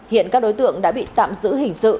hiện các đối tượng đã bị tạm giữ hình sự